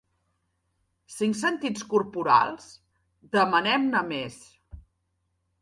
Cinc sentits corporals? Demanem-ne més!